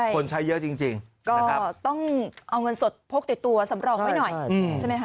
คนใช้เยอะจริงก็ต้องเอาเงินสดพกติดตัวสำรองไว้หน่อยใช่ไหมคะ